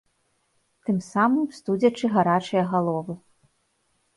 Тым самым студзячы гарачыя галовы.